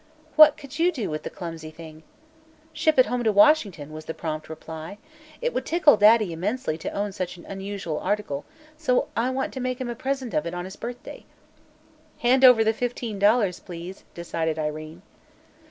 What could you do with the clumsy thing?" "Ship it home to Washington," was the prompt reply. "It would tickle Daddy immensely to own such an unusual article, so I want to make him a present of it on his birthday." "Hand over the fifteen dollars, please," decided Irene.